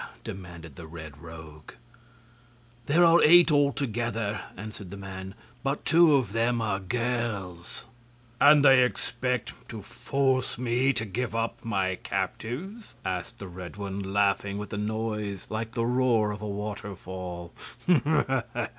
demanded the Red Rogue. "There are eight, altogether," answered the man, "but two of them are girls." "And they expect to force me to give up my captives?" asked the Red One, laughing with a noise like the roar of a waterfall.